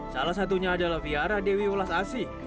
salah satunya adalah viara dewi ulas asih